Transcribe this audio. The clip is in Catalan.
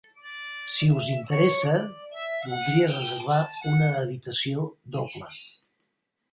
Si us interessa, voldria reservar una habitació doble.